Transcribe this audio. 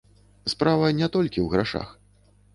Справа не толькі ў грашах.